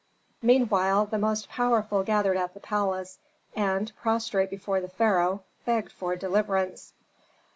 Meanwhile the most powerful gathered at the palace, and, prostrate before the pharaoh, begged for deliverance.